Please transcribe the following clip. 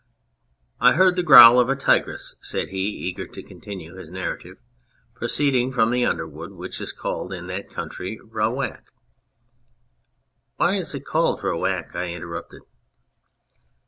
" I heard the growl of a tigress," said he, eager to continue his narrative, "proceeding from the underwood, which is called in that country rawak." " Why is it called rawak ?" I interrupted.